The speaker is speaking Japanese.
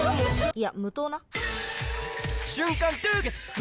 いや無糖な！